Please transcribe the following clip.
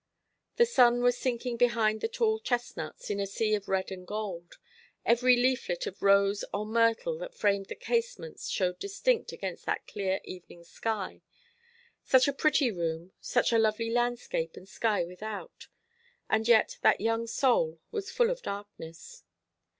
The sun was sinking behind the tall chestnuts, in a sea of red and gold. Every leaflet of rose or myrtle that framed the casements showed distinct against that clear evening sky. Such a pretty room within, such a lovely landscape and sky without; and yet that young soul was full of darkness.